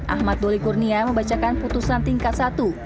ahmad doli kurnia membacakan putusan tingkat satu